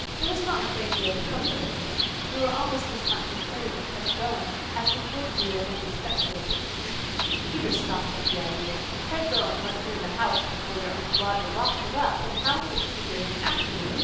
There was not a great deal of comfort in this. We were almost as much afraid of Peg Bowen as we would be of any spectral visitant. Peter scoffed at the idea. "Peg Bowen wasn't in the house before your Uncle Roger locked it up, and how could she get in afterwards?"